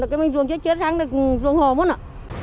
cái mình ruồng chết chết hăng thì ruồng hồ mất nữa